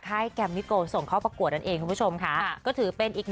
เลยอะไรอาพริกจะพงษ์นะคะส่งข้าวประกวัติน้องเองคุณผู้ชมค่ะก็ถือเป็นอีก